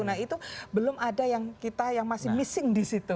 nah itu belum ada yang kita yang masih missing di situ